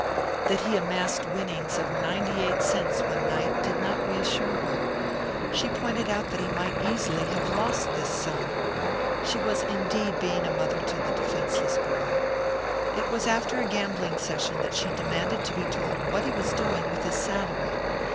That he amassed winnings of ninety eight cents one night did not reassure her. She pointed out that he might easily have lost this sum. She was indeed being a mother to the defenceless boy. It was after a gambling session that she demanded to be told what he was doing with his salary.